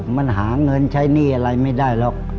มันหาเงินใช้หนี้อะไรไม่ได้หรอก